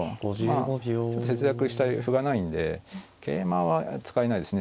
あちょっと節約したい歩がないんで桂馬は使えないですしね。